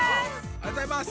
おはようございます！